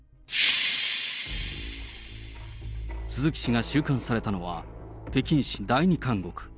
鈴木氏が収監されたのは、北京市第二監獄。